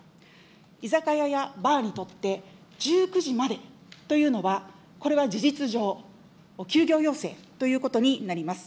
居酒屋やバーにとって１９時までというのは、これは事実上、休業要請ということになります。